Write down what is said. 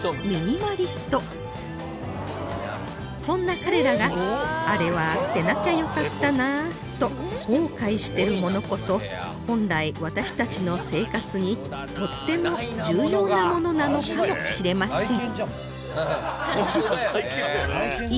そんな彼らが「あれは捨てなきゃよかったなー」と後悔してるものこそ本来私たちの生活にとっても重要なものなのかもしれません